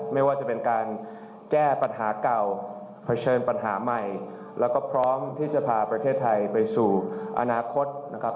ไม่ว่าจะเป็นการแก้ปัญหาเก่าเผชิญปัญหาใหม่แล้วก็พร้อมที่จะพาประเทศไทยไปสู่อนาคตนะครับ